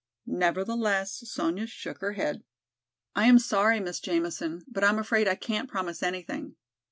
Nevertheless Sonya shook her head. "I am sorry, Miss Jamison, but I'm afraid I can't promise anything.